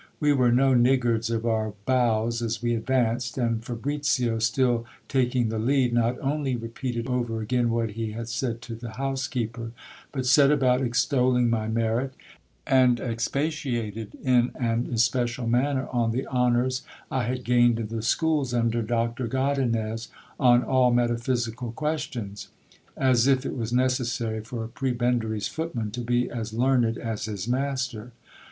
We were no niggards of our bows as we advanced ; and Fabricio, still taking the lead, not only repealed over again what he had said to the housekeeper, but set about extolling my merit, and expatiated in an especial manner on the honours I had gained in the schools under Doctor Godinez on all metaphysical ques tions : as if it was necessary for a prebendary's footman to be as learned as his master.